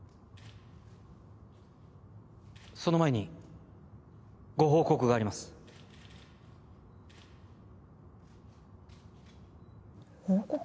その前にご報告があります報告？